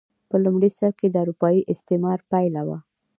په لومړي سر کې د اروپايي استعمار پایله وه.